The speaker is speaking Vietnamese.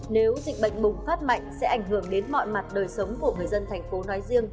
nếu dịch bệnh bùng phát mạnh sẽ ảnh hưởng đến mọi mặt đời sống của người dân thành phố nói riêng